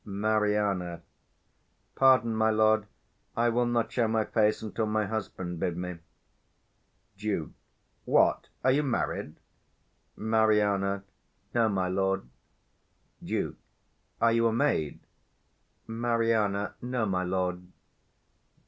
Mari. Pardon, my lord; I will not show my face Until my husband bid me. 170 Duke. What, are you married? Mari. No, my lord. Duke. Are you a maid? Mari. No, my lord.